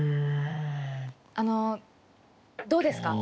あのどうですか？